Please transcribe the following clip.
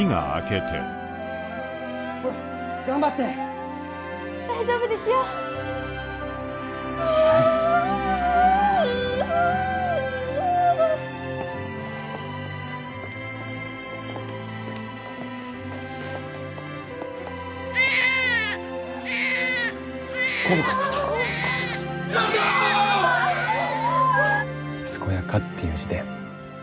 健やかっていう字で「健彦」。